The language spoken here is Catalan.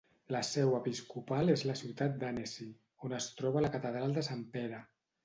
La seu episcopal és la ciutat d'Annecy, on es troba la catedral de Sant Pere.